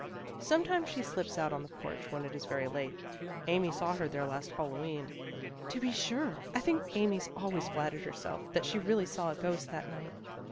" Sometimes she slips out on the porch when it is very late. Amy saw her there last Hal loween." " To be sure. I think Amy always flattered herself that she really saw a ghost that night."